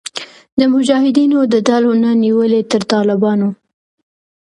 د مجاهدینو د ډلو نه نیولې تر طالبانو